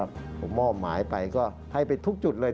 ผมมอบหมายไปก็ให้ไปทุกจุดเลย